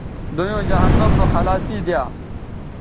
دویوں جہنم نو خلاصی دی یا